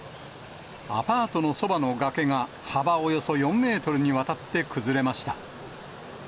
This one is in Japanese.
アパートのそばの崖が、幅およそ４メートルにわたって崩れました。